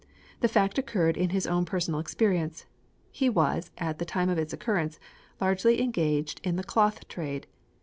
The fact occurred in his own personal experience. He was, at the time of its occurrence, largely engaged in the cloth trade.